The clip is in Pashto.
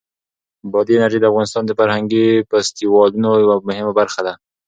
بادي انرژي د افغانستان د فرهنګي فستیوالونو یوه مهمه برخه ده.